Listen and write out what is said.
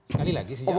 sekali lagi sejak awal